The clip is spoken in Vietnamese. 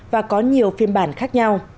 và có nhiều phiên bản khác nhau